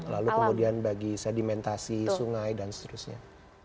lalu kemudian bagi sedimentasi sungai dan seterusnya